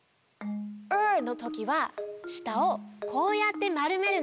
“ｒ”のときはしたをこうやってまるめるの。